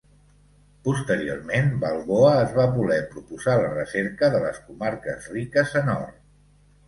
Posteriorment, Balboa es va voler proposar la recerca de les comarques riques en or.